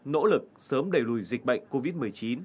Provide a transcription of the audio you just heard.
nỗ lực sớm đẩy lùi dịch bệnh covid một mươi chín